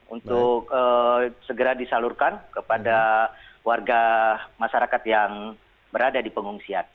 untuk segera disalurkan kepada warga masyarakat yang berada di pengungsian